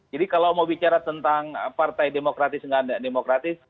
jadi kalau mau bicara tentang partai demokratis atau tidak demokratis